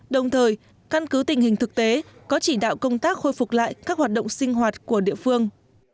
đồng thời căn cứ tình hình thực tế có chỉ đạo công tác khôi phục lại các hoạt động sinh hoạt của địa phương